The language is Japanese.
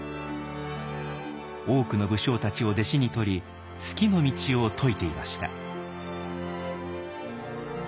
多くの武将たちを弟子にとり数寄の道を説いていました。